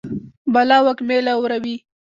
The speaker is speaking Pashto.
بلا وږمې لوروي